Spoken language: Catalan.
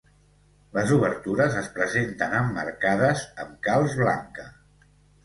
Les obertures es presenten emmarcades amb calç blanca.